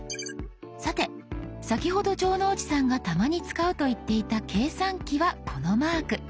さて先ほど城之内さんがたまに使うと言っていた計算機はこのマーク。